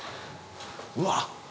うわ！